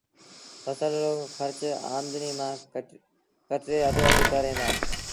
ڦسل رو کرچ آمدنيٚ مآݩ ڪٽي اڌو اڌ ڪريݩ دآ